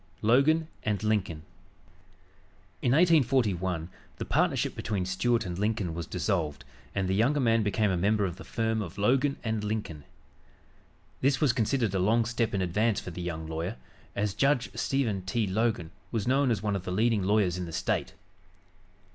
LOGAN & LINCOLN In 1841 the partnership between Stuart and Lincoln was dissolved and the younger man became a member of the firm of Logan & Lincoln. This was considered a long step in advance for the young lawyer, as Judge Stephen T. Logan was known as one of the leading lawyers in the State.